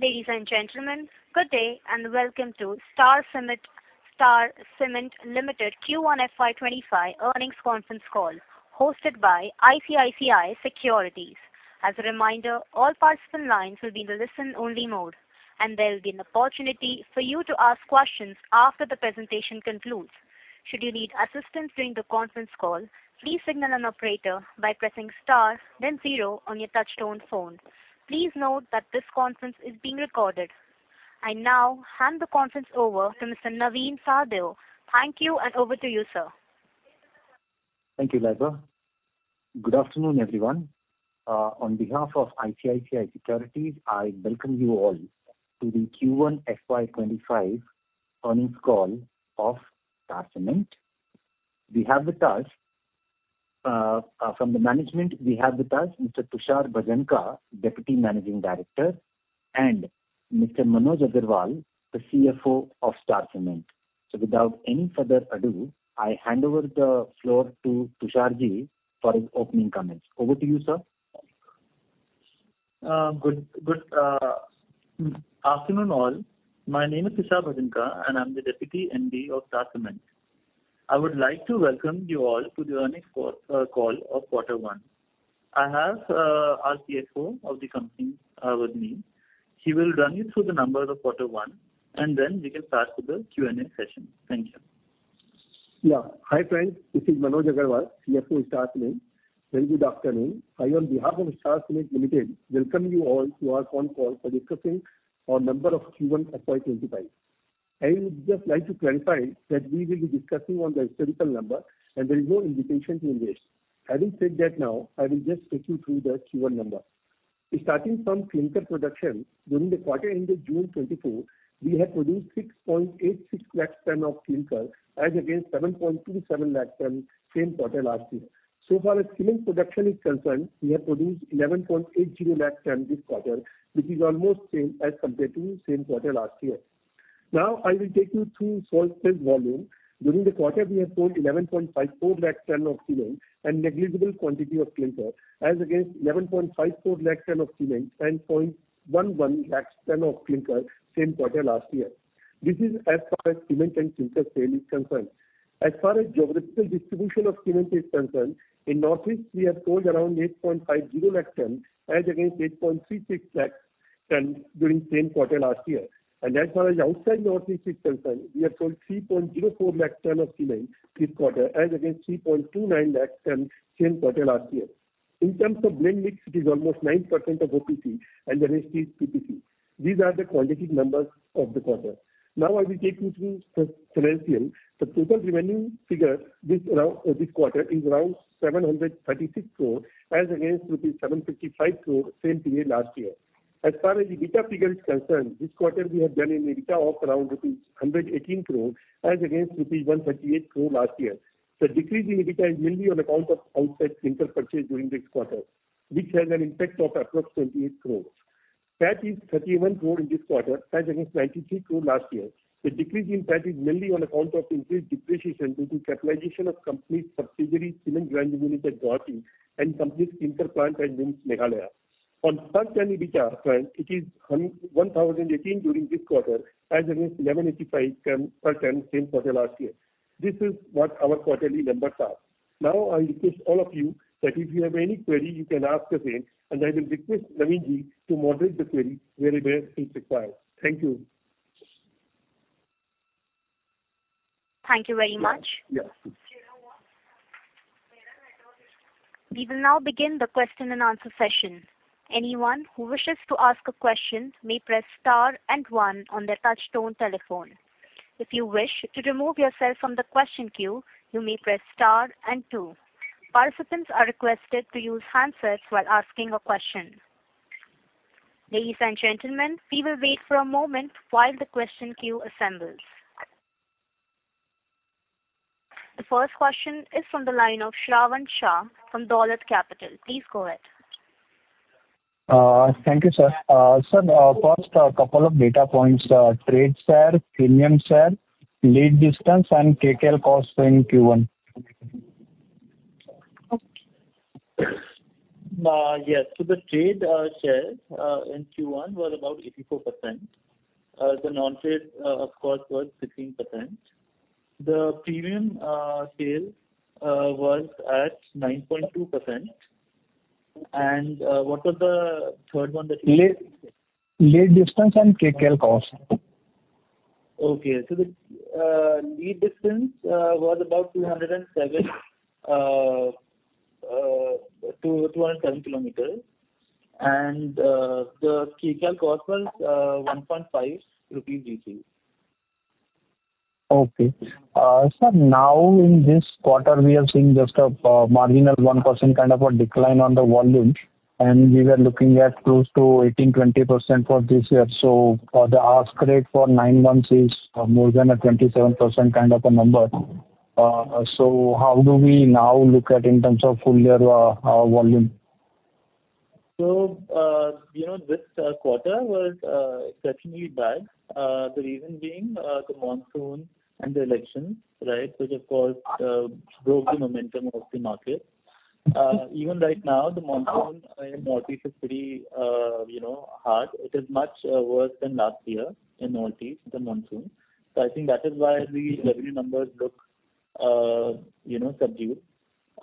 Ladies and gentlemen, good day and welcome to Star Cement, Star Cement Limited Q1 FY25 earnings conference call hosted by ICICI Securities. As a reminder, all participant lines will be in the listen-only mode, and there will be an opportunity for you to ask questions after the presentation concludes. Should you need assistance during the conference call, please signal an operator by pressing star, then zero on your touch-tone phone. Please note that this conference is being recorded. I now hand the conference over to Mr. Navin Sahadeo. Thank you, and over to you, sir. Thank you, Leila. Good afternoon, everyone. On behalf of ICICI Securities, I welcome you all to the Q1 FY 2025 earnings call of Star Cement. We have with us, from the management, we have with us Mr. Tushar Bhajanka, Deputy Managing Director, and Mr. Manoj Agarwal, the CFO of Star Cement. Without any further ado, I hand over the floor to Tusharji for his opening comments. Over to you, sir. Good afternoon all. My name is Tushar Bhajanka, and I'm the Deputy MD of Star Cement. I would like to welcome you all to the earnings call of quarter one. I have our CFO of the company with me. He will run you through the numbers of quarter one, and then we can pass to the Q&A session. Thank you. Yeah. Hi friends, this is Manoj Agarwal, CFO of Star Cement. Very good afternoon. I on behalf of Star Cement Limited welcome you all to our phone call for discussing our number of Q1 FY25. I would just like to clarify that we will be discussing on the historical number, and there is no invitation to invest. Having said that now, I will just take you through the Q1 number. Starting from clinker production during the quarter end of June 2024, we have produced 686,000 tonnes of clinker as against 727,000 tonnes same quarter last year. So far as cement production is concerned, we have produced 1,180,000 tonnes this quarter, which is almost same as compared to same quarter last year. Now I will take you through sales volume. During the quarter, we have sold 11.54 lakhs tonnes of cement and negligible quantity of clinker as against 11.54 lakhs tonnes of cement and 0.11 lakhs tonnes of clinker same quarter last year. This is as far as cement and clinker sale is concerned. As far as geographical distribution of cement is concerned, in Northeast we have sold around 8.50 lakhs tonnes as against 8.36 lakhs tonnes during same quarter last year. As far as outside Northeast is concerned, we have sold 3.04 lakhs tonnes of cement this quarter as against 3.29 lakhs tonnes same quarter last year. In terms of blend mix, it is almost 9% of OPC and the rest is PPC. These are the quantitative numbers of the quarter. Now I will take you through financial. The total revenue figure this quarter is around 736 crore as against rupees 755 crore same period last year. As far as EBITDA figure is concerned, this quarter we have done an EBITDA of around rupees 118 crore as against rupees 138 crore last year. The decrease in EBITDA is mainly on account of outside clinker purchase during this quarter, which has an impact of approximately 28 crore. PAT is 31 crore in this quarter as against 93 crore last year. The decrease in PAT is mainly on account of increased depreciation due to capitalization of complete subsidiary cement grinding unit at Guwahati and complete clinker plant at Lumshnong, Meghalaya. On per-ton EBITDA, friends, it is 1,018 during this quarter as against 1,185 per ton same quarter last year. This is what our quarterly numbers are. Now I request all of you that if you have any query, you can ask us in, and I will request Navinji to moderate the query wherever it requires. Thank you. Thank you very much. Yes. We will now begin the question-and-answer session. Anyone who wishes to ask a question may press star and one on their touch-tone telephone. If you wish to remove yourself from the question queue, you may press star and two. Participants are requested to use handsets while asking a question. Ladies and gentlemen, we will wait for a moment while the question queue assembles. The first question is from the line of Shravan Shah from Dolat Capital. Please go ahead. Thank you, sir. Sir, first, a couple of data points: trade share, premium share, lead distance, and Kcal costs in Q1. Yes. So the trade share in Q1 was about 84%. The non-trade, of course, was 15%. The premium sale was at 9.2%. And what was the third one that you mentioned? Lead distance and Kcal cost. Okay. So the lead distance was about 207 km, and the Kcal cost was 1.50 rupees. Okay. Sir, now in this quarter, we are seeing just a marginal 1% kind of a decline on the volume, and we were looking at close to 18%-20% for this year. So the ask rate for nine months is more than a 27% kind of a number. So how do we now look at in terms of full-year volume? So this quarter was exceptionally bad, the reason being the monsoon and the elections, right, which of course broke the momentum of the market. Even right now, the monsoon in Northeast is pretty hard. It is much worse than last year in Northeast, the monsoon. So I think that is why the revenue numbers look subdued.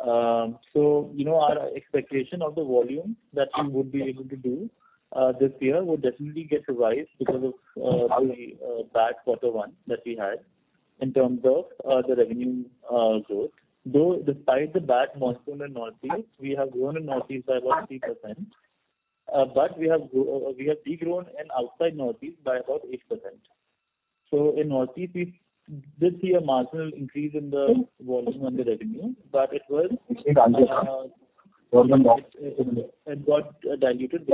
So our expectation of the volume that we would be able to do this year would definitely get revised because of the bad quarter one that we had in terms of the revenue growth. Though despite the bad monsoon in Northeast, we have grown in Northeast by about 3%, but we have degrown in outside Northeast by about 8%. So in Northeast, we did see a marginal increase in the volume and the revenue, but it was. It got diluted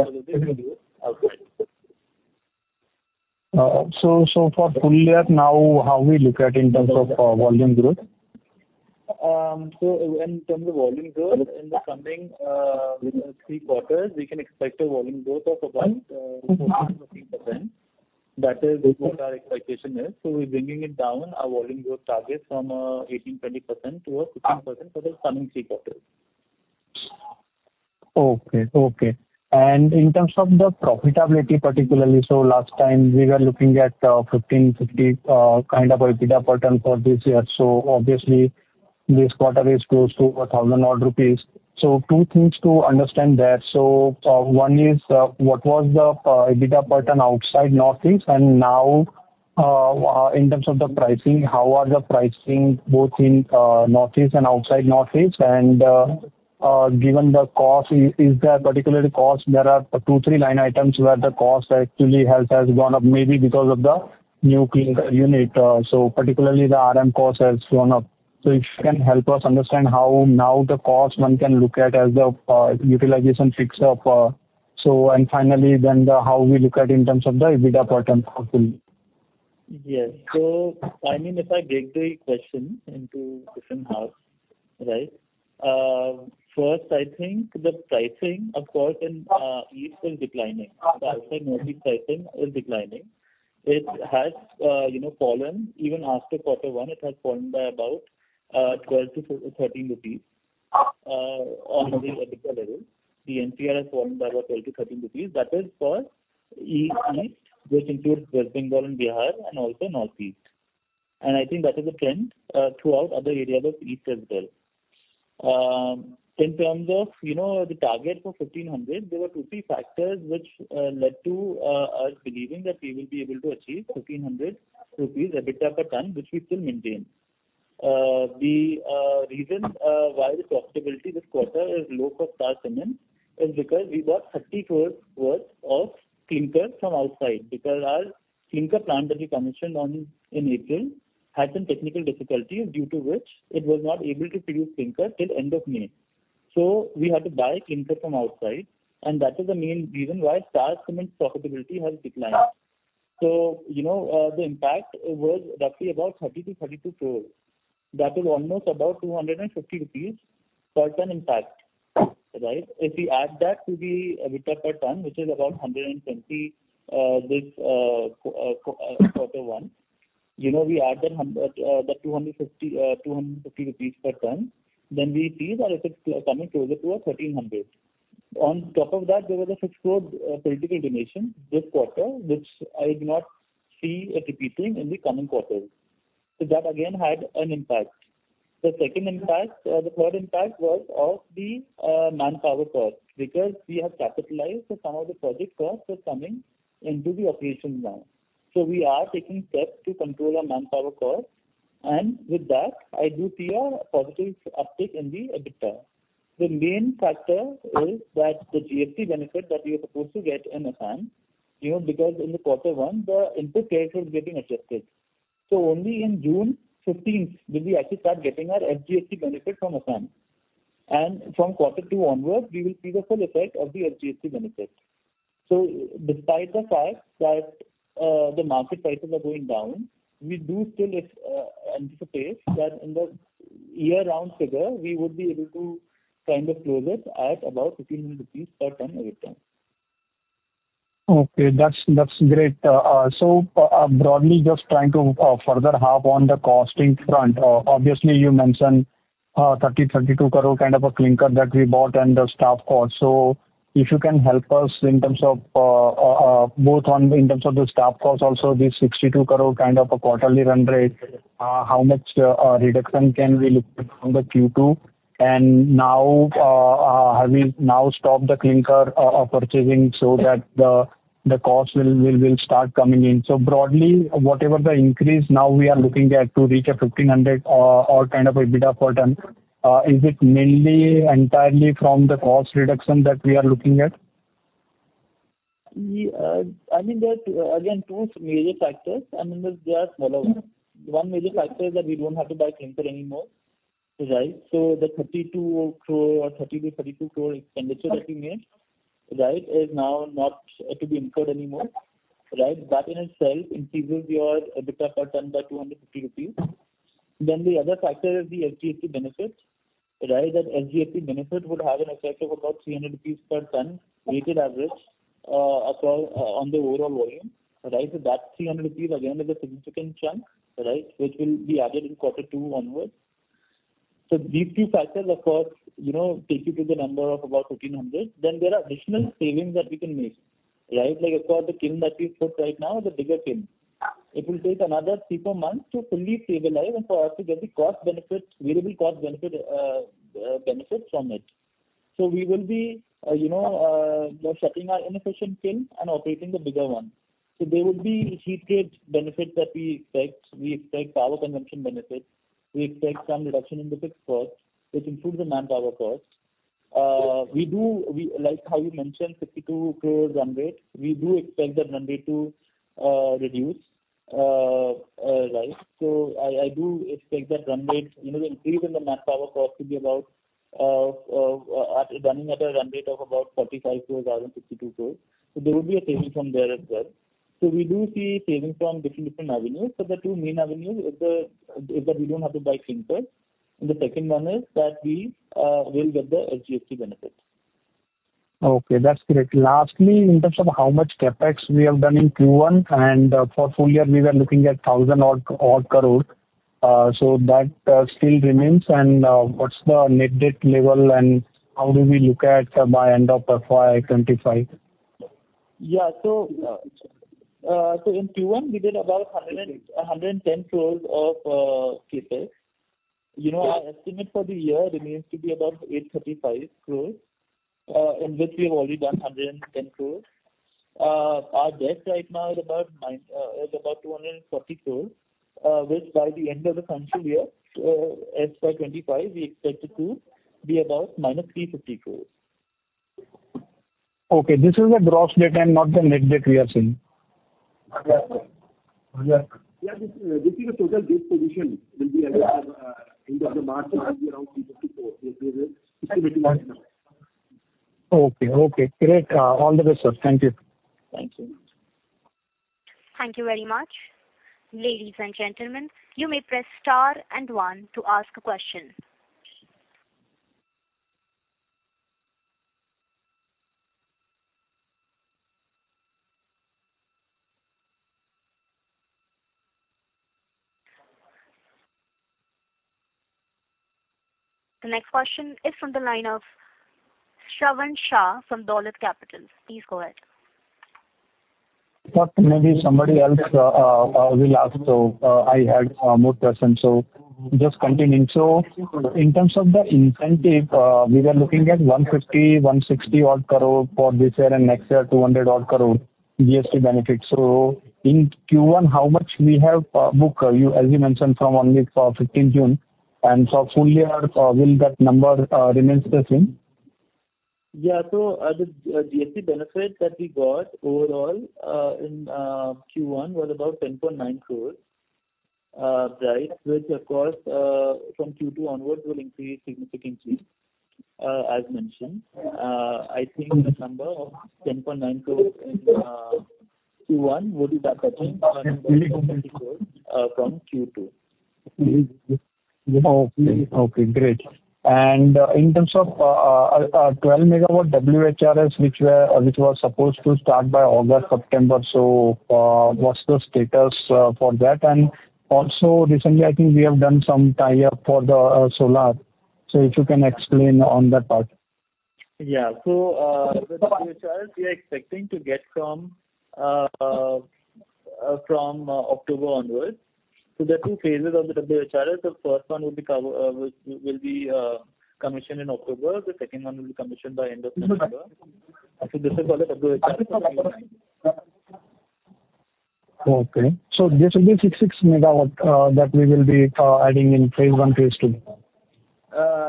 because of the revenue outside. For full-year now, how we look at in terms of volume growth? So in terms of volume growth, in the coming three quarters, we can expect a volume growth of about 14%-15%. That is what our expectation is. So we're bringing it down, our volume growth target from 18%-20% to 15% for the coming three quarters. Okay. Okay. In terms of the profitability particularly, last time we were looking at 1,550 kind of EBITDA per ton for this year. So obviously, this quarter is close to 1,000 rupees odd. Two things to understand there. One is what was the EBITDA per ton outside northeast, and now in terms of the pricing, how are the pricing both in northeast and outside northeast? Given the cost, is there particular cost? There are two, three line items where the cost actually has gone up maybe because of the new clinker unit. Particularly, the RM cost has gone up. If you can help us understand how now the cost one can look at as the utilization fix of. Finally then how we look at in terms of the EBITDA per ton for full-year. Yes. So I mean, if I break the question into different halves, right, first, I think the pricing, of course, in East is declining. The outside Northeast pricing is declining. It has fallen. Even after quarter one, it has fallen by about 12-13 rupees on the EBITDA level. The NPR has fallen by about 12-13 rupees. That is for East, which includes West Bengal and Bihar and also Northeast. And I think that is a trend throughout other areas of East as well. In terms of the target for 1,500, there were two to three factors which led to us believing that we will be able to achieve 1,500 rupees EBITDA per ton, which we still maintain. The reason why the profitability this quarter is low for Star Cement is because we bought 30 crore worth of clinker from outside because our clinker plant that we commissioned in April had some technical difficulties due to which it was not able to produce clinker till end of May. So we had to buy clinker from outside, and that is the main reason why Star Cement's profitability has declined. So the impact was roughly about 30 crore-32 crore. That was almost about 250 rupees per ton impact, right? If we add that to the EBITDA per ton, which is about 120 this quarter one, we add that 250 per ton, then we see that it is coming closer to 1,300. On top of that, there was a INR 6 crore political donation this quarter, which I do not see it repeating in the coming quarters. So that again had an impact. The third impact was of the manpower cost because we have capitalized that some of the project costs were coming into the operations now. So we are taking steps to control our manpower costs. And with that, I do see a positive uptick in the EBITDA. The main factor is that the GST benefit that we are supposed to get in Assam because in the quarter one, the input tariff was getting adjusted. So only on June 15th will we actually start getting our SGST benefit from Assam. And from quarter two onward, we will see the full effect of the SGST benefit. So despite the fact that the market prices are going down, we do still anticipate that in the year-round figure, we would be able to kind of close it at about 1,500 per ton EBITDA. Okay. That's great. So broadly, just trying to further harp on the costing front, obviously, you mentioned 30-32 crore kind of a clinker that we bought and the staff cost. So if you can help us in terms of both in terms of the staff cost, also this 62 crore kind of a quarterly run rate, how much reduction can we look at from the Q2? And now have we now stopped the clinker purchasing so that the cost will start coming in? So broadly, whatever the increase now we are looking at to reach a 1,500-odd kind of EBITDA per ton, is it mainly entirely from the cost reduction that we are looking at? I mean, there are again two major factors. I mean, there are smaller ones. 1 major factor is that we don't have to buy clinker anymore, right? So the 32 crore or 30-32 crore expenditure that we made, right, is now not to be incurred anymore, right? That in itself increases your EBITDA per ton by 250 rupees. Then the other factor is the SGST benefit, right? That SGST benefit would have an effect of about 300 rupees per ton weighted average on the overall volume, right? So that 300 rupees, again, is a significant chunk, right, which will be added in quarter two onward. So these two factors, of course, take you to the number of about 1,500. Then there are additional savings that we can make, right? Of course, the kiln that we've put right now is a bigger kiln. It will take another three to four months to fully stabilize and for us to get the variable cost benefit from it. So we will be shutting our inefficient kiln and operating the bigger one. So there would be heat rate benefits that we expect. We expect power consumption benefits. We expect some reduction in the fixed cost, which includes the manpower cost. We do, like how you mentioned, 62 crore run rate. We do expect that run rate to reduce, right? So I do expect that run rate, the increase in the manpower cost to be running at a run rate of about 45 crore out of 62 crore. So there would be a saving from there as well. So we do see savings from different, different avenues. So the two main avenues is that we don't have to buy clinker. The second one is that we will get the SGST benefit. Okay. That's great. Lastly, in terms of how much CapEx we have done in Q1 and for full-year, we were looking at 1,000 odd crores. So that still remains. What's the net debt level and how do we look at by end of FY 2025? Yeah. In Q1, we did about 110 crore of kcal. Our estimate for the year remains to be about 835 crore, in which we have already done 110 crore. Our debt right now is about 240 crore, which by the end of the financial year, FY 2025, we expect it to be about -350 crore. Okay. This is the gross debt and not the net debt we are seeing. Yeah. This is the total debt position will be at the end of March around INR 354. It is estimating right now. Okay. Okay. Great. All the best, sir. Thank you. Thank you. Thank you very much. Ladies and gentlemen, you may press star and one to ask a question. The next question is from the line of Shravan Shah from Dolat Capital. Please go ahead. Maybe somebody else will ask. I had more questions. Just continuing. In terms of the incentive, we were looking at 150-160 odd crore for this year and next year, 200 odd crore GST benefit. In Q1, how much we have booked, as you mentioned, from only 15 June? And for full-year, will that number remain the same? Yeah. So the GST benefit that we got overall in Q1 was about 10.9 crores, right, which of course, from Q2 onwards, will increase significantly, as mentioned. I think a number of 10.9 crores in Q1 would be touching a number of 250 crores from Q2. Okay. Okay. Great. And in terms of 12 MW WHRS, which was supposed to start by August, September, so what's the status for that? And also recently, I think we have done some tie-up for the solar. So if you can explain on that part. Yeah. So the WHRS we are expecting to get from October onwards. So there are two phases of the WHRS. The first one will be commissioned in October. The second one will be commissioned by end of September. So this is called a WHRS of 2019. Okay. So this will be 66 MW that we will be adding in Phase I, Phase II?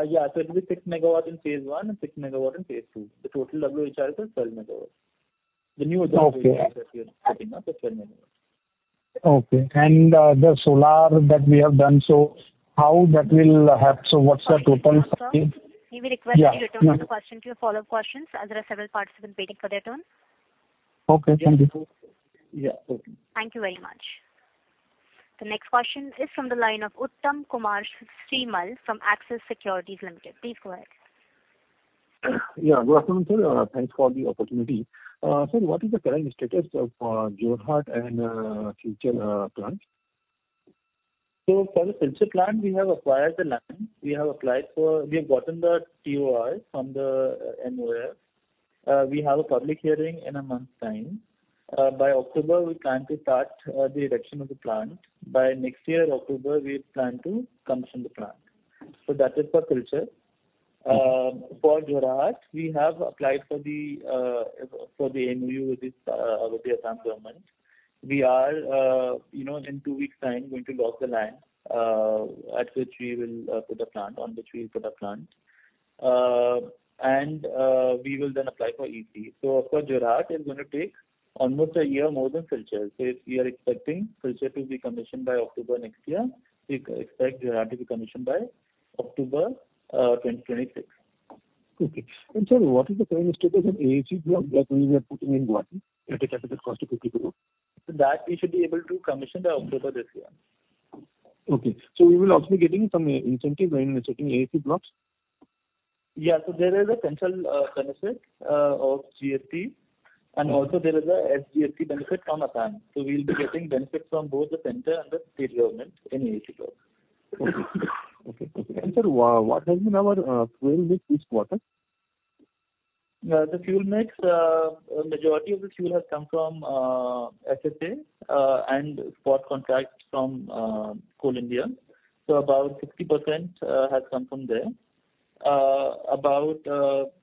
Yeah. So it will be 6 MW in phase one and 6 MW in phase two. The total WHRS is 12 MW. The new adjustment that we are setting up is 12 MW. Okay. The solar that we have done, so how that will help? What's the total? Sorry. We request you to return to the question queue for follow-up questions. There are several participants waiting for their turn. Okay. Thank you. Yeah. Okay. Thank you very much. The next question is from the line of Uttam Kumar Srimal from Axis Securities. Please go ahead. Yeah. Good afternoon, sir. Thanks for the opportunity. Sir, what is the current status of Jorhat and future plant? So for the Future Plant, we have acquired the land. We have gotten the ToR from the MoEF&CC. We have a public hearing in a month's time. By October, we plan to start the erection of the plant. By next year, October, we plan to commission the plant. So that is for Future. For Jorhat, we have applied for the MoU with the Assam government. We are, in two weeks' time, going to lock the land at which we will put the plant, on which we will put the plant. And we will then apply for EC. So of course, Jorhat is going to take almost a year more than Future. So if you are expecting Future to be commissioned by October next year, you expect Jorhat to be commissioned by October 2026. Okay. And sir, what is the current status of AAC blocks that we were putting up at a capital cost of INR 50 crore? That we should be able to commission by October this year. Okay. So we will also be getting some incentives in setting AAC Blocks? Yeah. There is a central benefit of GST. There is a SGST benefit from Assam. We'll be getting benefits from both the center and the state government in AAC blocks. Okay. Okay. Okay. Sir, what has been our fuel mix this quarter? The majority of the fuel has come from FSA and spot contracts from Coal India. So about 60% has come from there, about 20%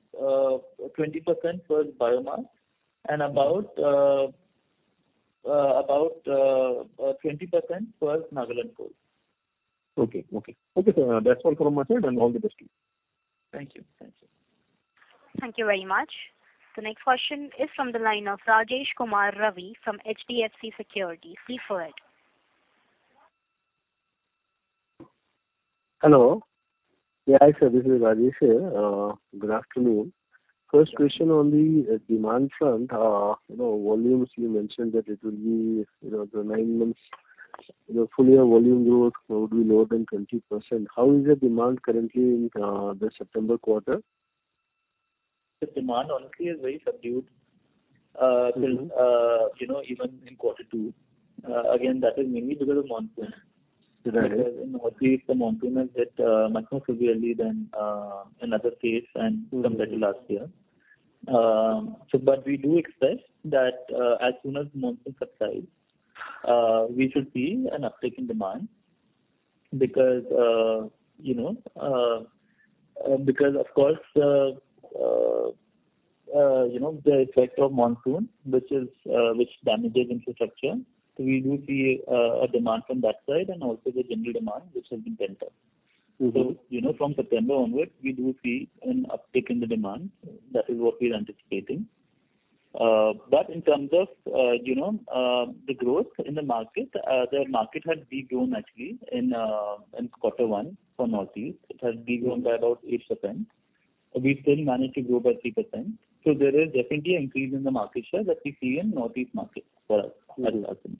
was biomass, and about 20% was Nagaland coal. Okay. Okay. Okay, sir. That's all from my side. All the best to you. Thank you. Thank you. Thank you very much. The next question is from the line of Rajesh Kumar Ravi from HDFC Securities. Please go ahead. Hello. Yeah, hi, sir. This is Rajesh here. Good afternoon. First question on the demand front. Volumes, you mentioned that it will be the nine months full-year volume growth would be lower than 20%. How is the demand currently in the September quarter? The demand, honestly, is very subdued even in quarter two. Again, that is mainly because of monsoon. Because in North East, the monsoon has hit much more severely than in other states and compared to last year. But we do expect that as soon as the monsoon subsides, we should see an uptick in demand because, of course, the effect of monsoon, which damages infrastructure, we do see a demand from that side and also the general demand, which has been tentative. So from September onwards, we do see an uptick in the demand. That is what we are anticipating. But in terms of the growth in the market, the market had degrown, actually, in quarter one for North East. It had degrown by about 8%. We still managed to grow by 3%. There is definitely an increase in the market share that we see in North East markets for us, as far as I know.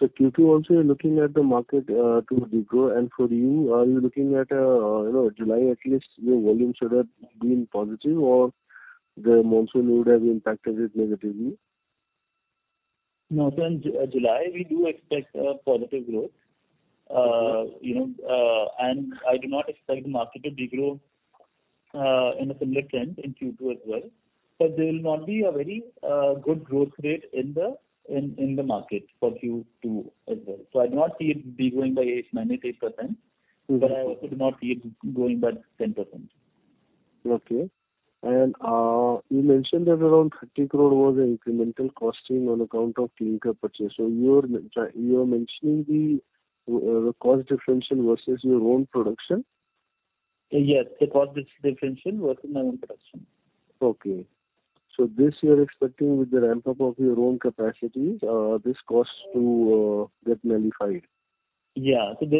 Q2, also, you're looking at the market to regrow. For you, are you looking at July, at least, your volume should have been positive, or the monsoon would have impacted it negatively? No, sir. In July, we do expect positive growth. I do not expect the market to degrow in a similar trend in Q2 as well. There will not be a very good growth rate in the market for Q2 as well. I do not see it degrowing by many 8%. I also do not see it going back 10%. Okay. You mentioned that around 30 crore was an incremental costing on account of clinker purchase. You are mentioning the cost differential versus your own production? Yes. The cost differential versus my own production. Okay. So, this you're expecting, with the ramp-up of your own capacities, this cost to get nullified? Yeah. In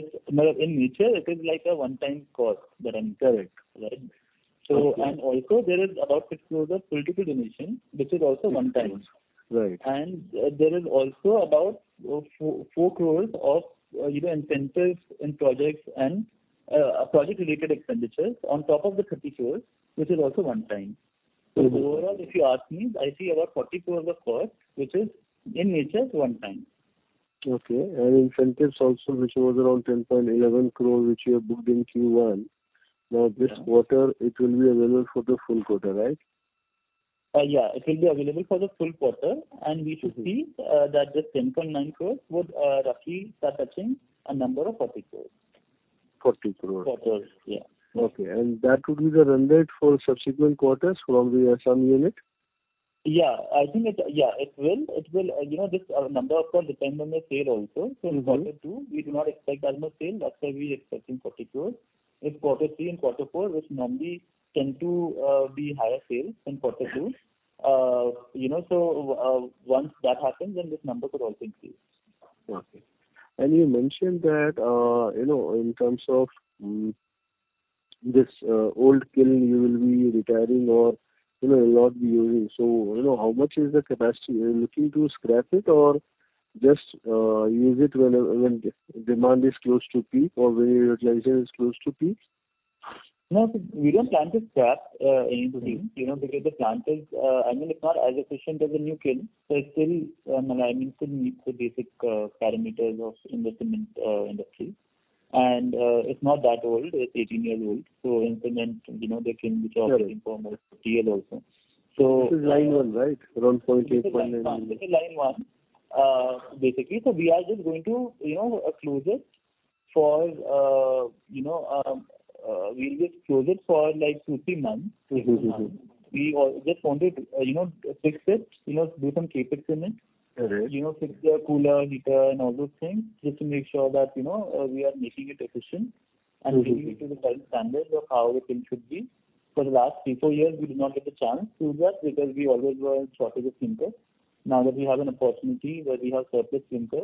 nature, it is like a one-time cost that I mentioned, right? And also, there is about 6 crore of political donation, which is also one-time. And there is also about 4 crore of incentives in projects and project-related expenditures on top of the 30 crore, which is also one-time. So overall, if you ask me, I see about 40 crore of cost, which is, in nature, one-time. Okay. And incentives also, which was around 10.11 crore, which you have booked in Q1. Now, this quarter, it will be available for the full quarter, right? Yeah. It will be available for the full quarter. We should see that the 10.9 crores would roughly start touching a number of 40 crores. 40 crores. Quarters. Yeah. Okay. And that would be the run rate for subsequent quarters from the Assam unit? Yeah. I think, yeah, it will. This number, of course, depends on the sale also. So in quarter two, we do not expect that much sale. That's why we are expecting INR 40 crore in quarter three and quarter four, which normally tend to be higher sales in quarter two. So once that happens, then this number could also increase. Okay. And you mentioned that in terms of this old kiln, you will be retiring or you'll not be using. So how much is the capacity? Are you looking to scrap it or just use it when demand is close to peak or when utilization is close to peak? No, sir. We don't plan to scrap any of the kilns because the plant is, I mean, it's not as efficient as a new kiln. So it still, I mean, still meets the basic parameters of the cement industry. And it's not that old. It's 18 years old. So in cement, the kiln which we are working for almost 50 years also. So. This is line one, right? Around 0.8-0.9. This is line one, basically. So we are just going to close it for like two to three months. We just want to fix it, do some Capex in it, fix the cooler, heater, and all those things just to make sure that we are making it efficient and bringing it to the current standards of how the kiln should be. For the last three to four years, we did not get the chance to do that because we always were in shortage of clinker. Now that we have an opportunity where we have surplus clinker,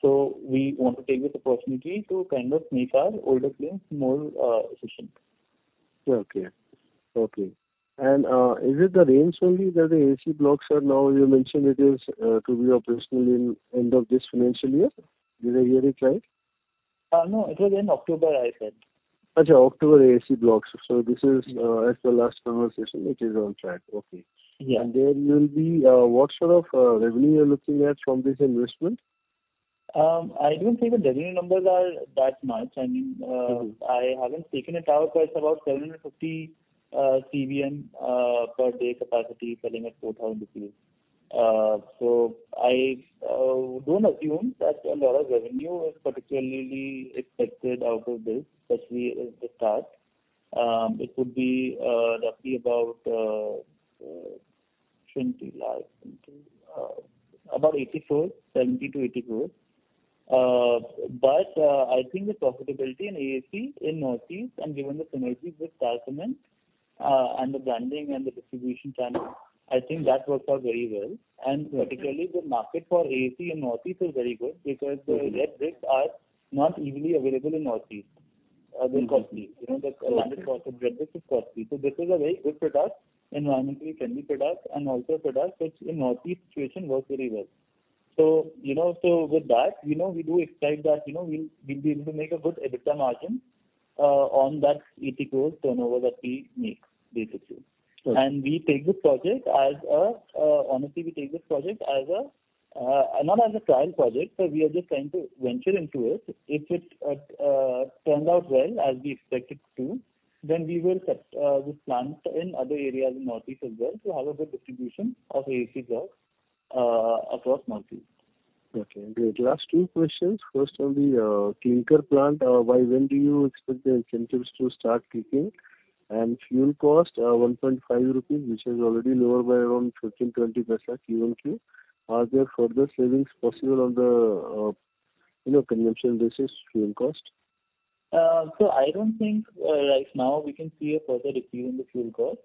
so we want to take this opportunity to kind of make our older kilns more efficient. Okay. Okay. And is it the range only that the AAC Blocks are now you mentioned it is to be operational in end of this financial year? Did I hear it right? No. It was in October, I said. So, October AAC blocks. So this is, as per last conversation, it is on track. Okay. And there will be what sort of revenue you're looking at from this investment? I don't think the revenue numbers are that much. I mean, I haven't taken it out, but it's about 750 CBM per day capacity selling at 4,000 BCE. So I don't assume that a lot of revenue is particularly expected out of this, especially at the start. It would be roughly about about 80 crore, 70-80 crore. But I think the profitability in AAC in North East, and given the synergy with Star Cement and the branding and the distribution channel, I think that works out very well. And particularly, the market for AAC in North East is very good because the red bricks are not easily available in North East. They're costly. The landed cost of red bricks is costly. So this is a very good product, environmentally friendly product, and also a product which, in North East's situation, works very well. So with that, we do expect that we'll be able to make a good EBITDA margin on that INR 80 crore turnover that we make, basically. And we take this project as, honestly, we take this project as not as a trial project, but we are just trying to venture into it. If it turns out well as we expect it to, then we will set this plant in other areas in North East as well to have a good distribution of AAC blocks across North East. Okay. Great. Last two questions. First, on the clinker plant, when do you expect the incentives to start kicking? And fuel cost, 1.5 rupees, which is already lower by around 0.15-0.20 Q1 QoQ. Are there further savings possible on the consumption versus fuel cost? So I don't think right now we can see a further decrease in the fuel cost.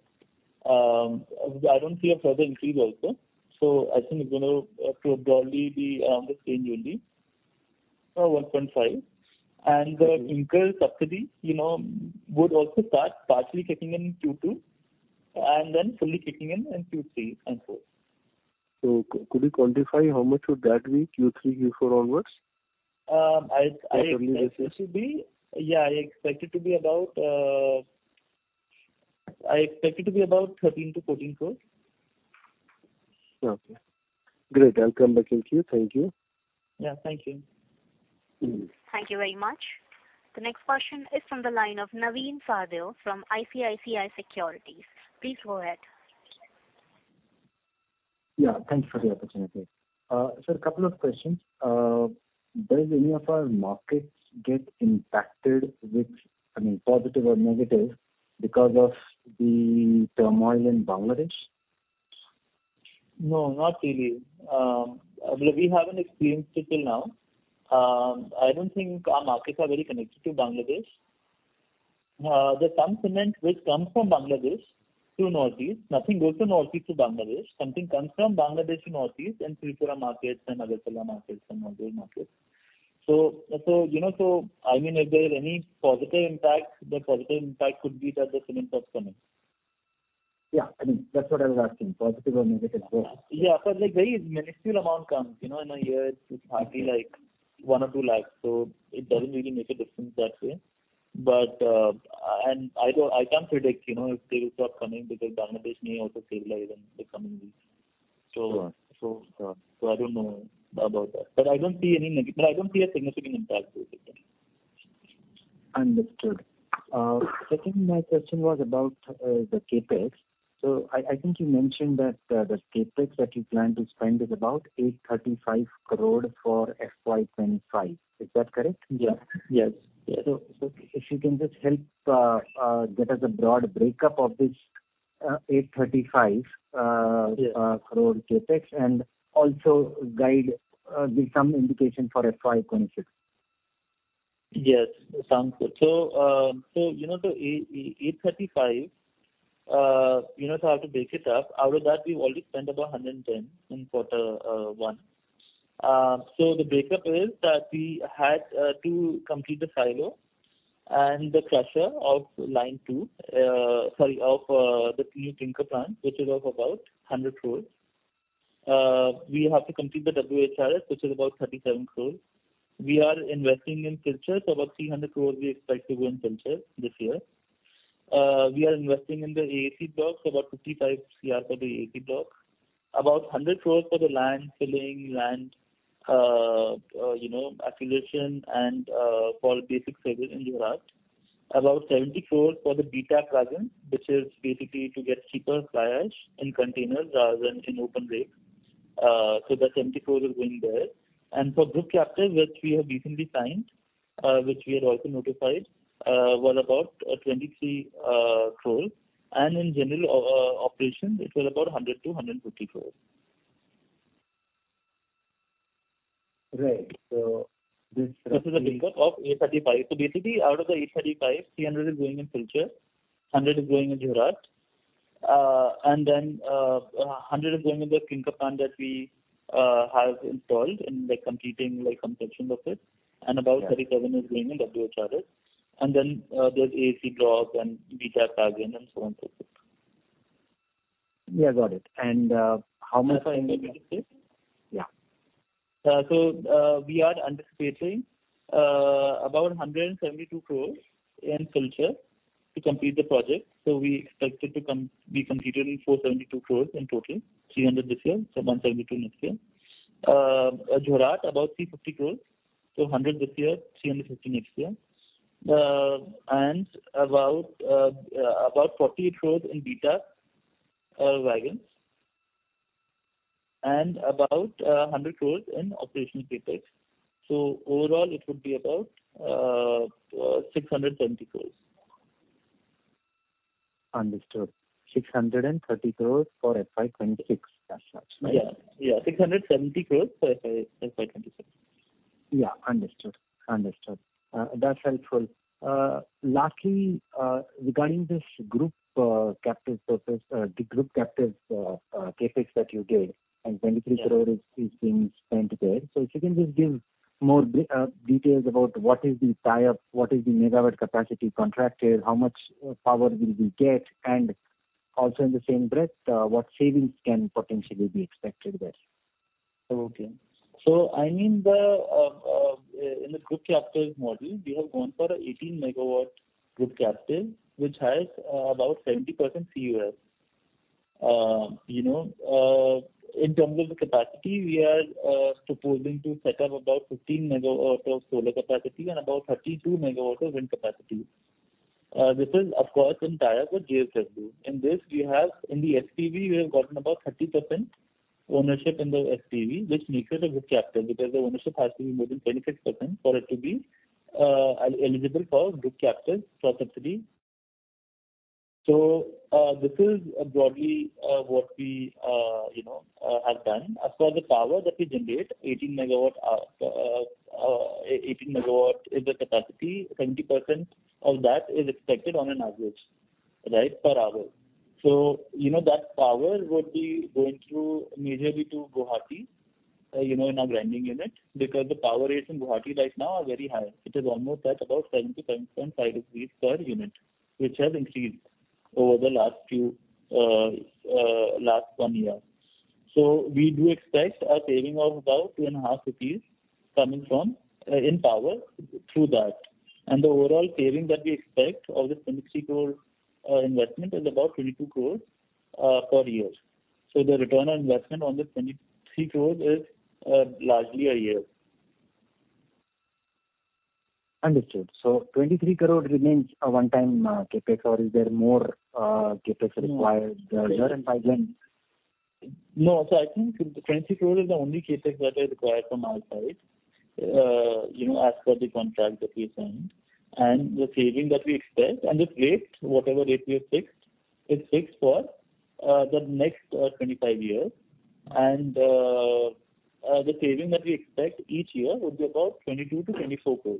I don't see a further increase also. So I think it's going to have to broadly be around the same yearly, 1.5. And the clinker subsidy would also start partially kicking in Q2 and then fully kicking in in Q3 and so on. Could you quantify how much would that be Q3, Q4 onwards? Quarterly versus. Yeah. I expect it to be about 13-14 crores. Okay. Great. I'll come back in queue. Thank you. Yeah. Thank you. Thank you very much. The next question is from the line of Navin Sahadeo from ICICI Securities. Please go ahead. Yeah. Thank you for the opportunity. Sir, a couple of questions. Does any of our markets get impacted with, I mean, positive or negative because of the turmoil in Bangladesh? No, not really. I mean, we haven't experienced it till now. I don't think our markets are very connected to Bangladesh. There's some cement which comes from Bangladesh to North East. Nothing goes from North East to Bangladesh. Something comes from Bangladesh to North East and Srirampur markets and Agartala markets and all those markets. So I mean, if there is any positive impact, the positive impact could be that the cement starts coming. Yeah. I mean, that's what I was asking. Positive or negative, both. Yeah. But very minuscule amount comes. In a year, it's hardly like 1 or 2 lakhs. So it doesn't really make a difference that way. And I can't predict if they will start coming because Bangladesh may also stabilize in the coming weeks. So I don't know about that. But I don't see any negative, but I don't see a significant impact, basically. Understood. Second, my question was about the Capex. So I think you mentioned that the Capex that you plan to spend is about 835 crore for FY 2025. Is that correct? Yes. Yes. Yes. If you can just help get us a broad breakup of this 835 crore CapEx and also give some indication for FY 2026? Yes. Sounds good. So the 835 crore, to have to break it up, out of that, we've already spent about 110 crore in quarter one. So the breakup is that we had to complete the silo and the crusher of line two sorry, of the new clinker plant, which is of about 100 crore. We have to complete the WHRS, which is about 37 crore. We are investing in filters. So about 300 crore we expect to go in filters this year. We are investing in the AAC Blocks, about 55 crore for the AAC Blocks, about 100 crore for the land filling, land acquisition, and for basic service in Gujarat, about 70 crore for the BTAP wagons, which is basically to get cheaper fly ash in containers rather than in open rakes. So that 70 crore is going there. For Group Captive, which we have recently signed, which we are also notified, was about 23 crore. In general operations, it was about 100 crore-150 crore. Right. So this. This is a breakup of 835. So basically, out of the 835, 300 is going in filters, 100 is going in Gujarat, and then 100 is going in the clinker plant that we have installed in completing some sections of it, and about 37 is going in WHRS. And then there's AAC blocks and BTAP wagons and so on and so forth. Yeah. Got it. And how much are you? I think I'm going to say. Yeah. We are anticipating about 172 crores in filters to complete the project. We expect it to be completed in 472 crores in total, 300 this year, so 172 next year. Gujarat, about 350 crores. 100 this year, 350 next year, and about 48 crores in BTAP wagons and about 100 crores in operational CapEx. Overall, it would be about 670 crores. Understood. 630 crore for FY 2026 as such, right? Yeah. Yeah. 670 crore for FY 2026. Yeah. Understood. Understood. That's helpful. Lastly, regarding this Group Captive SPV Group Captive capex that you gave, and 23 crore is being spent there. So if you can just give more details about what is the tie-up, what is the megawatt capacity contracted, how much power will we get, and also in the same breath, what savings can potentially be expected there? Okay. So I mean, in the Group Captive model, we have gone for a 18-megawatt Group Captive, which has about 70% CUF. In terms of the capacity, we are proposing to set up about 15 megawatts of solar capacity and about 32 megawatts of wind capacity. This is, of course, in tie-up with JSW. In this, in the SPV, we have gotten about 30% ownership in the SPV, which makes it a Group Captive because the ownership has to be more than 26% for it to be eligible for Group Captive for subsidy. So this is broadly what we have done. As far as the power that we generate, 18 megawatt is the capacity. 70% of that is expected on an average, right, per hour. So that power would be going through majorly to Guwahati in our grinding unit because the power rates in Guwahati right now are very high. It is almost at about 77.5 degrees per unit, which has increased over the last one year. So we do expect a saving of about 2.5 rupees coming in power through that. And the overall saving that we expect of this 23 crore investment is about 22 crore per year. So the return on investment on this 23 crore is largely a year. Understood. So 23 crore remains a one-time CapEx, or is there more CapEx required? Yes. There and fragments? No. So I think INR 23 crore is the only CapEx that is required from our side as per the contract that we signed and the saving that we expect. This rate, whatever rate we have fixed, is fixed for the next 25 years. The saving that we expect each year would be about 22 crore-24 crore.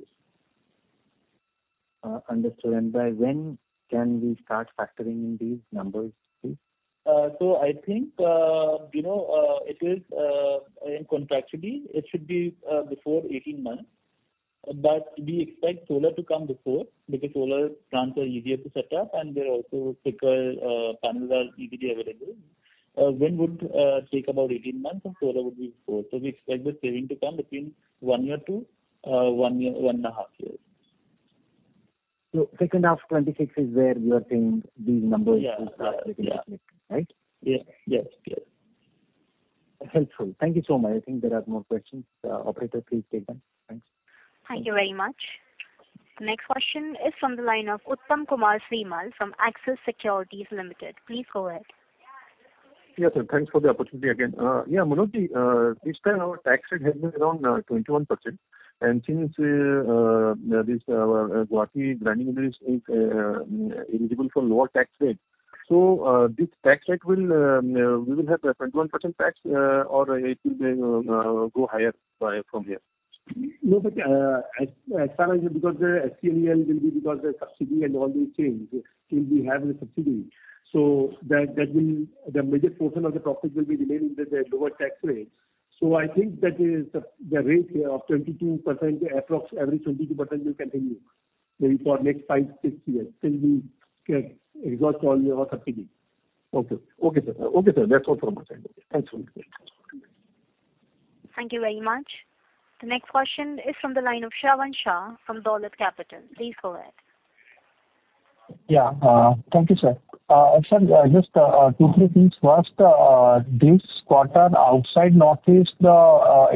Understood. By when can we start factoring in these numbers, please? I think it is, contractually, it should be before 18 months. But we expect solar to come before because solar plants are easier to set up, and they're also quicker, panels are easily available. Wind would take about 18 months, and solar would be before. We expect the saving to come between 1 year to 1.5 years. Second half of 2026 is where you are seeing these numbers will start getting reflected, right? Yes. Yes. Yes. Helpful. Thank you so much. I think there are more questions. Operator, please take them. Thanks. Thank you very much. The next question is from the line of Uttam Kumar Srimal from Axis Securities. Please go ahead. Yes, sir. Thanks for the opportunity again. Yeah. Manoj, this time, our tax rate has been around 21%. And since our Guwahati grinding unit is eligible for lower tax rate. So this tax rate, we will have 21% tax, or it will go higher from here? No, but as far as because the SCLEL will be because the subsidy and all these things, we will have the subsidy. So the major portion of the profit will remain in the lower tax rates. So I think that the rate of 22%, approximately 22%, will continue maybe for the next five, six years till we get exhausted all our subsidy. Okay. Okay, sir. Okay, sir. That's all from my side. Okay. Thanks for the question. Thank you very much. The next question is from the line of Shravan Shah from Dolat Capital. Please go ahead. Yeah. Thank you, sir. Sir, just two, three things. First, this quarter, outside North East, the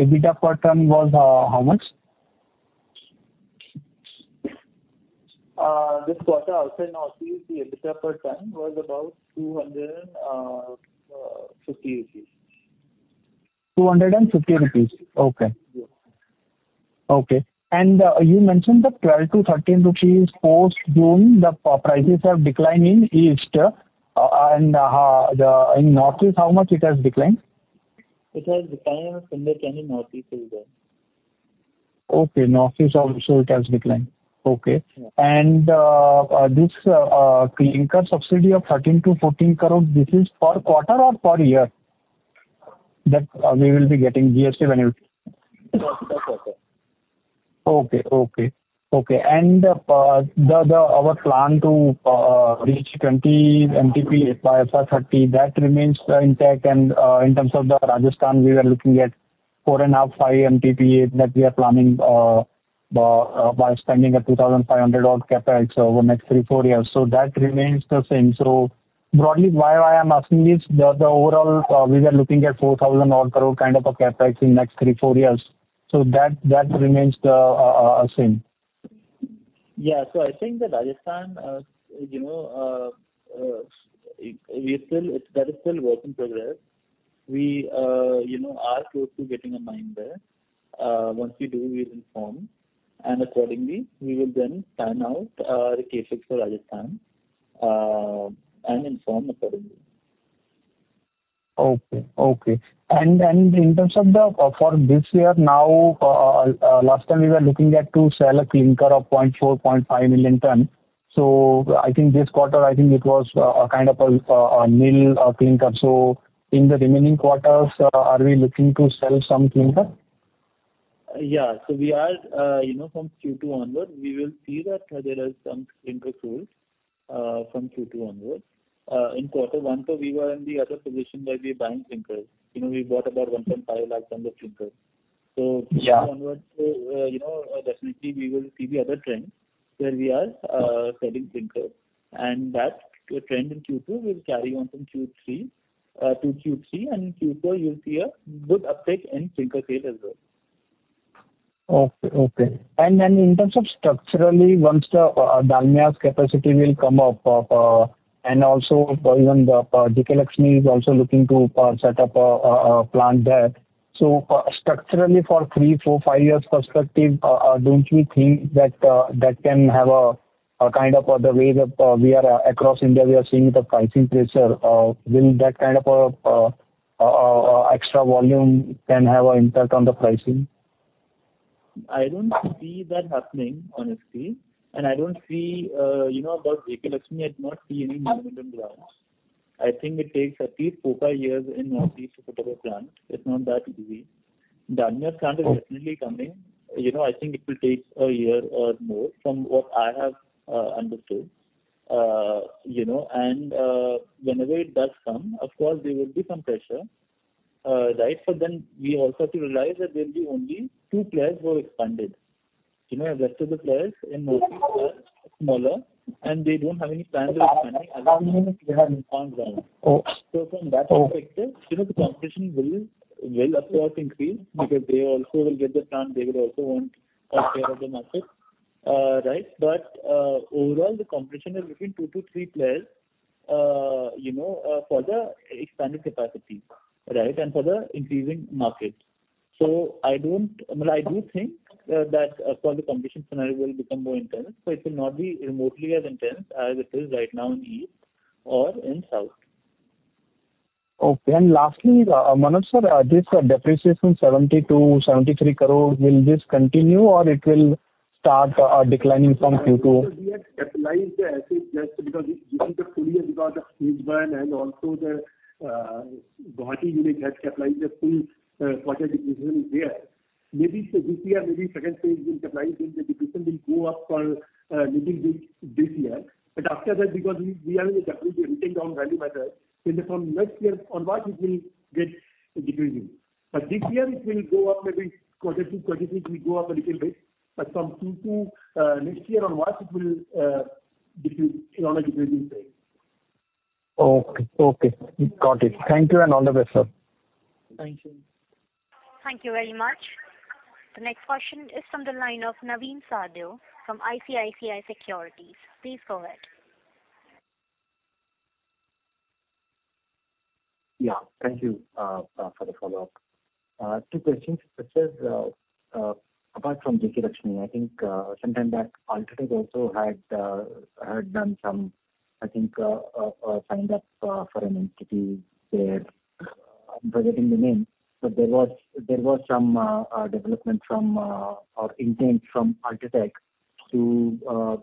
EBITDA per ton was how much? This quarter, outside North East, the EBITDA per ton was about INR 250. 250. Okay. Okay. And you mentioned that 12-13 rupees post-June, the prices have declined in East. And in North East, how much it has declined? It has declined in the 10-11 North East as well. Okay. North East also, it has declined. Okay. And this clinker subsidy of 13 crore-14 crore, this is per quarter or per year that we will be getting GST value? Per quarter. Okay. Okay. Okay. Our plan to reach 20 MTPA by FY 2030, that remains intact. In terms of Rajasthan, we are looking at 4.5 MTPA that we are planning by spending an 2,500-odd Capex over the next three, four years. So that remains the same. So broadly, why I am asking is the overall, we are looking at 4,000-odd crore kind of a Capex in the next three, four years. So that remains the same. Yeah. So I think the Rajasthan, that is still a work in progress. We are close to getting a mine there. Once we do, we will inform. And accordingly, we will then sign out the Capex for Rajasthan and inform accordingly. Okay. Okay. And in terms of for this year, now, last time, we were looking at to sell a clinker of 0.4-0.5 million tons. So I think this quarter, I think it was kind of a nil clinker. So in the remaining quarters, are we looking to sell some clinker? Yeah. So from Q2 onward, we will see that there are some clinkers sold from Q2 onward. In quarter one, though, we were in the other position where we are buying clinkers. We bought about 150,000 tons of clinkers. So Q2 onward, definitely, we will see the other trend where we are selling clinkers. And that trend in Q2 will carry on through Q3. And in Q4, you'll see a good uptick in clinker sales as well. Okay. Okay. And then in terms of structurally, once the Dalmia's capacity will come up and also, even JK Lakshmi is also looking to set up a plant there. So structurally, for three, four, five years' perspective, don't you think that that can have a kind of other way that we are across India, we are seeing the pricing pressure? Will that kind of extra volume can have an impact on the pricing? I don't see that happening, honestly. I don't see about JK Lakshmi. I do not see any movement on the ground. I think it takes at least four to five years in North East to put up a plant. It's not that easy. Dalmia's plant is definitely coming. I think it will take a year or more from what I have understood. And whenever it does come, of course, there will be some pressure, right? But then we also have to realize that there will be only two players who have expanded. The rest of the players in North East are smaller, and they don't have any plans of expanding other than on ground. So from that perspective, the competition will, of course, increase because they also will get the plant. They will also want a share of the market, right? But overall, the competition is between two to three players for the expanded capacity, right, and for the increasing market. So I don't well, I do think that, of course, the competition scenario will become more intense, but it will not be remotely as intense as it is right now in East or in South. Okay. Lastly, Manoj sir, this depreciation 70 crore-73 crore, will this continue, or it will start declining from Q2? We have capitalized the asset just because during the four years because of phase one and also the Guwahati unit had capitalized the full quarter depreciation there. Maybe this year, maybe second phase will capitalize then. The depreciation will go up for a little bit this year. But after that, because we are in a retained-own value matter, then from next year, on March, it will get decreasing. But this year, it will go up maybe quarter two, quarter three, it will go up a little bit. But from Q2 next year, on March, it will decrease in a decreasing phase. Okay. Okay. Got it. Thank you, and all the best, sir. Thank you. Thank you very much. The next question is from the line of Navin Sahadeo from ICICI Securities. Please go ahead. Yeah. Thank you for the follow-up. Two questions. Sir, apart from JK Lakshmi, I think some time back, UltraTech also had done some, I think, signed up for an entity there. I'm forgetting the name, but there was some development or intent from UltraTech to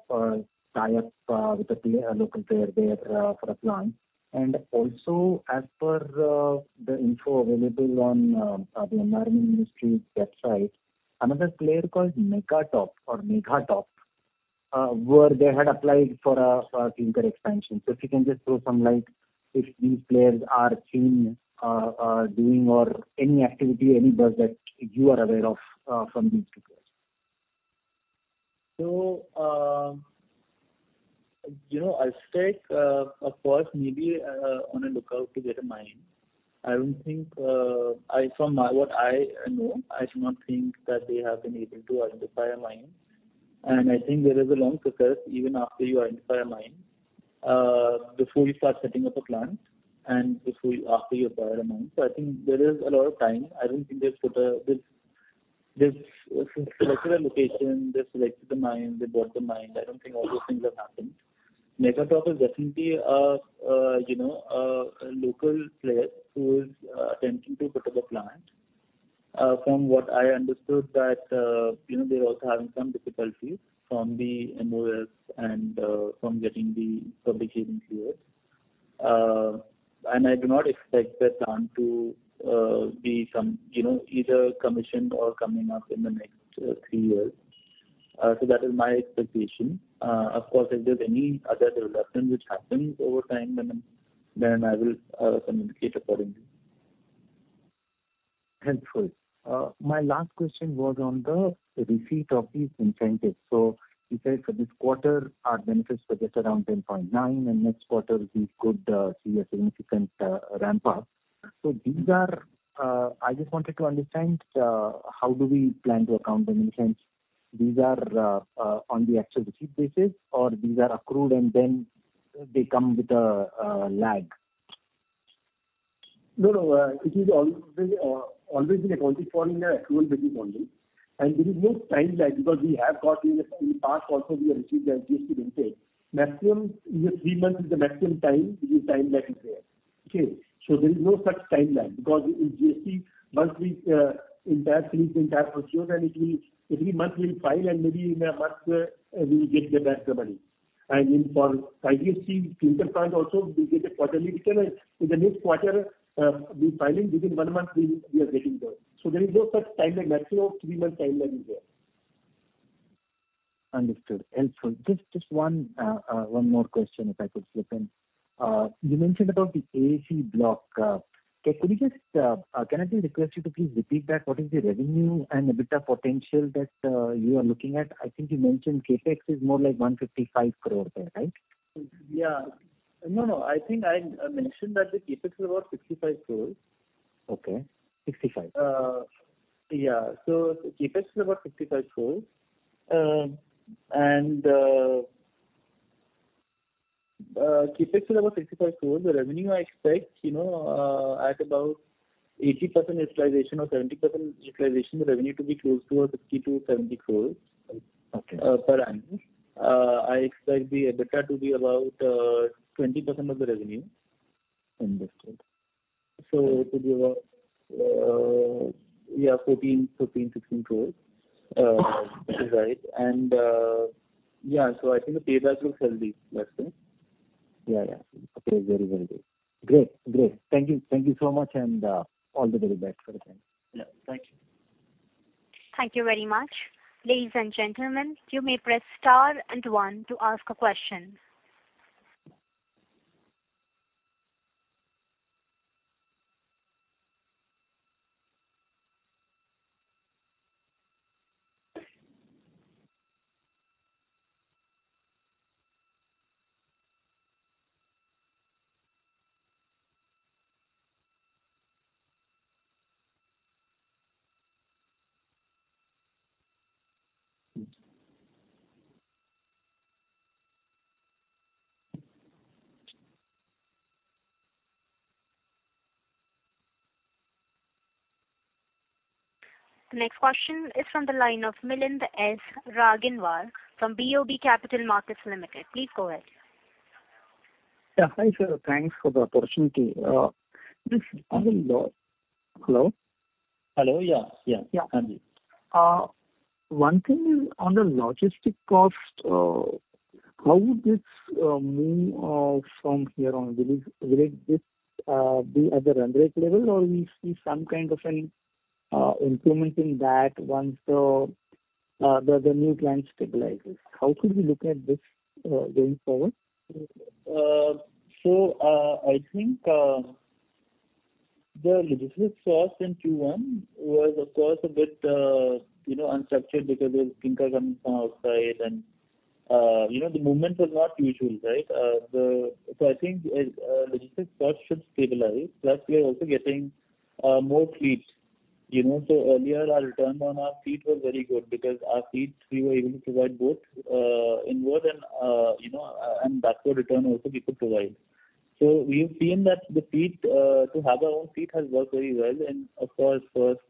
tie up with a local player there for a plant. And also, as per the info available on the Environment Ministry website, another player called Megatop or Megatop, where they had applied for a clinker expansion. So if you can just throw some light if these players are seen doing any activity, any buzz that you are aware of from these two players. So I'll take, of course, maybe on a lookout to get a mine. From what I know, I do not think that they have been able to identify a mine. And I think there is a long process even after you identify a mine before you start setting up a plant and after you acquire a mine. So I think there is a lot of time. I don't think they've selected a location. They've selected the mine. They bought the mine. I don't think all those things have happened. Megatop is definitely a local player who is attempting to put up a plant. From what I understood, they're also having some difficulties from the MoEF and from getting the public agency yet. And I do not expect their plan to be either commissioned or coming up in the next three years. So that is my expectation. Of course, if there's any other development which happens over time, then I will communicate accordingly. Helpful. My last question was on the receipt of these incentives. You said for this quarter, our benefits were just around 10.9, and next quarter, we could see a significant ramp-up. I just wanted to understand, how do we plan to account for the incentives? These are on the actual receipt basis, or these are accrued, and then they come with a lag? No, no. It has always been accounted for in the accrual basis only. And there is no time lag because we have got in the past also, we have received GST benefits. Three months is the maximum time, which time lag is there. Okay. So there is no such time lag because in GST, once we finish the entire procedure, then every month, we'll file, and maybe in a month, we'll get back the money. And for IGST, clinker plant also, we'll get a quarterly return. And in the next quarter, we're filing. Within one month, we are getting those. So there is no such time lag. Maximum three-month time lag is there. Understood. Helpful. Just one more question, if I could slip in. You mentioned about the AAC block. Can I just request you to please repeat back? What is the revenue and EBITDA potential that you are looking at? I think you mentioned CapEx is more like 155 crore there, right? Yeah. No, no. I think I mentioned that the CapEx is about 55 crore. Okay. 65. Yeah. CapEx is about 55 crore. CapEx is about 55 crore. The revenue I expect at about 80% utilization or 70% utilization, the revenue to be close to 60-70 crore per annum. I expect the EBITDA to be about 20% of the revenue. Understood. So it would be about, yeah, 14, 13, 16 crores, right? And yeah, so I think the payback looks healthy, I think. Yeah, yeah. Okay. Very healthy. Great. Great. Thank you. Thank you so much, and all the very best for the time. Yeah. Thank you. Thank you very much. Ladies and gentlemen, you may press star and one to ask a question. The next question is from the line of Milind Raginwar from BOB Capital Markets Limited. Please go ahead. Yeah. Hi, sir. Thanks for the opportunity. Hello? Hello? Yeah. Yeah. Yeah. Hi, sir. One thing is on the logistics cost, how would this move from here on? Will it be at the run rate level, or will we see some kind of an improvement in that once the new plant stabilizes? How should we look at this going forward? So I think the logistics cost in Q1 was, of course, a bit unstructured because there was clinker coming from outside, and the movement was not usual, right? So I think logistics cost should stabilize. Plus, we are also getting more fleet. So earlier, our return on our fleet was very good because our fleet, we were able to provide both inward, and that's what return also we could provide. So we have seen that to have our own fleet has worked very well and, of course, first,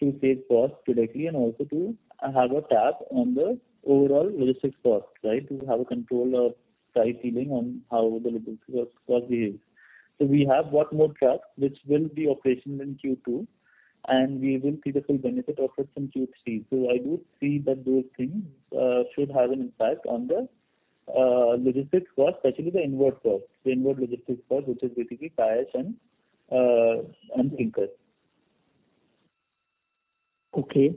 to save cost directly and also to have a tap on the overall logistics cost, right, to have a control of price ceiling on how the logistics cost behaves. So we have bought more trucks, which will be operational in Q2, and we will see the full benefit of it in Q3. So I do see that those things should have an impact on the logistics cost, especially the inward cost, the inward logistics cost, which is basically tires and clinkers. Okay.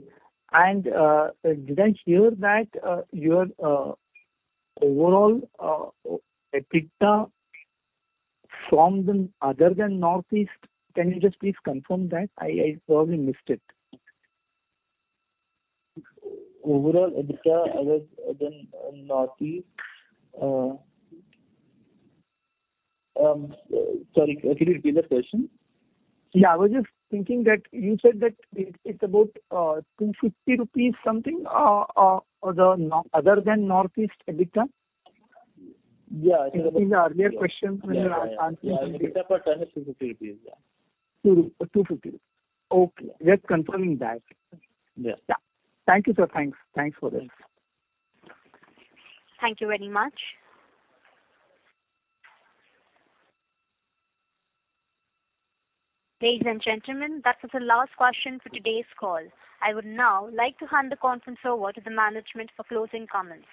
And did I hear that your overall EBITDA other than Northeast? Can you just please confirm that? I probably missed it. Overall EBITDA other than Northeast? Sorry. Can you repeat that question? Yeah. I was just thinking that you said that it's about 250 rupees something other than Northeast EBITDA? Yeah. I think that was. This is the earlier question when you were answering something. Yeah. EBITDA per ton is INR 250. Yeah. 250. Okay. Just confirming that. Yeah. Yeah. Thank you, sir. Thanks. Thanks for this. Thank you very much. Ladies and gentlemen, that was the last question for today's call. I would now like to hand the conference over to the management for closing comments.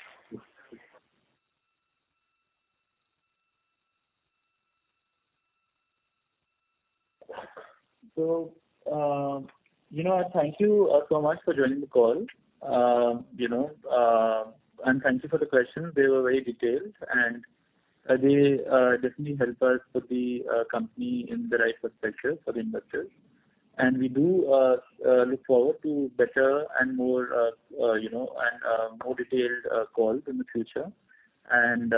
Thank you so much for joining the call, and thank you for the questions. They were very detailed, and they definitely helped us put the company in the right perspective for the investors. We do look forward to better and more detailed calls in the future and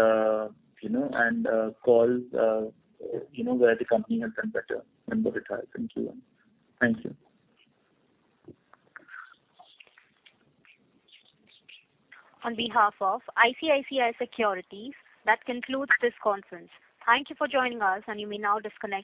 calls where the company has done better than what it has in Q1. Thank you. On behalf of ICICI Securities, that concludes this conference. Thank you for joining us, and you may now disconnect.